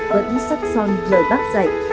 vẫn sắc son lời bác dạy